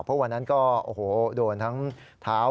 เพราะวันนั้นก็โอ้โหโดนทั้งเท้า